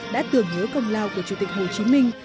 đã tưởng nhớ công lao của chủ tịch hồ chí minh